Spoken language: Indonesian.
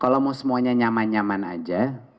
kalau mau semuanya nyaman nyaman aja